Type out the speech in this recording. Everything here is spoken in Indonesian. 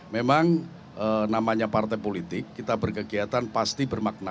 memang namanya partai politik kita berkegiatan pasti bermakna